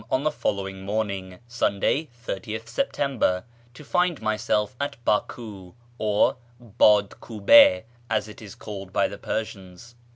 on the following morning (Sunday, 30th September) to find myself at Baku (or Badkube, as it is called by the Persians).